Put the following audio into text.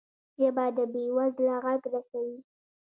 ژبه د بې وزله غږ رسوي